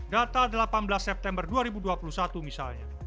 data delapan belas september dua ribu dua puluh satu misalnya